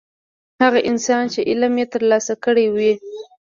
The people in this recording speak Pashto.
هغه انسان چې علم یې ترلاسه کړی وي.